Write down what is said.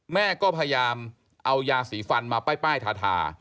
แม่ก็พยายามเอายาสีฟันมาป้ายทา